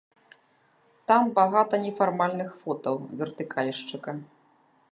Там багата нефармальных фотаў вертыкальшчыка.